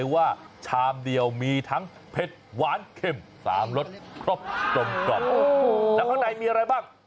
ว่าชามเดียวมีทั้งเผ็ดหวานเข็มสามรสครบกลมกล่อมโอ้โหแล้วข้างในมีอะไรบ้าง